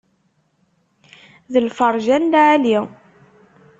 D lferja n lεali.